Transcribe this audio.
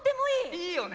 いいよね！